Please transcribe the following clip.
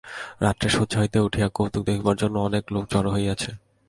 রাত্রে শয্যা হইতে উঠিয়া কৌতুক দেখিবার জন্য অনেক লোক জড়ো হইয়াছে।